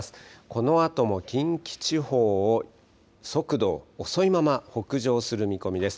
このあとも近畿地方を速度遅いまま北上する見込みです。